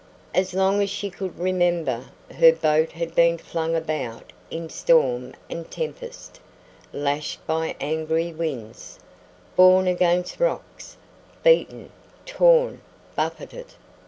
As long as she could remember, her boat had been flung about in storm and tempest, lashed by angry winds, borne against rocks, beaten, torn, buffeted.